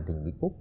tỉnh bình phúc